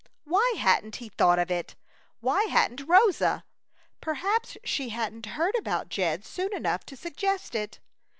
Why hadn't he thought of it? Why hadn't Rosa? Perhaps she hadn't heard about Jed soon enough to suggest it.